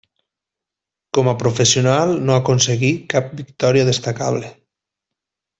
Com a professional no aconseguí cap victòria destacable.